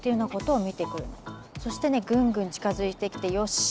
そしてねぐんぐん近づいてきてよし